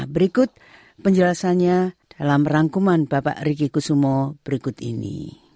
berikut penjelasannya dalam rangkuman bapak riki kusumo berikut ini